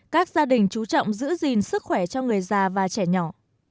các gia đình chú trọng giữ gìn sức khỏe cho người già và trẻ nhỏ